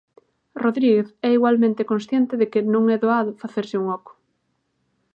Rodríguez é igualmente consciente de que "non é doado" facerse un oco.